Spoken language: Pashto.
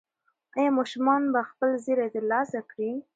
ایا ماشوم به خپل زېری ترلاسه کړي؟